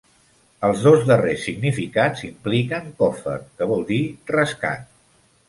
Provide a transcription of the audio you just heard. Els dos darrers significats impliquen "kofer" que vol dir "rescat".